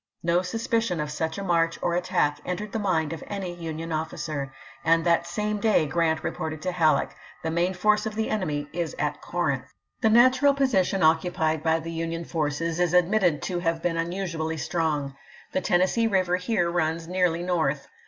No suspicion of such a march or ^^A^rii^o!^' attack entered the mind of any Union officer ; and Vol. X., ■ that same day Grrant reported to Halleck, " The p. 94. ■' main force of the enemy is at Corinth." The natural position occupied by the Union forces is admitted to have been unusually strong. The Tennessee River here runs nearly north.